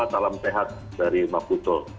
alhamdulillah sehat dari maputo